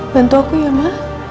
bantu aku ya ma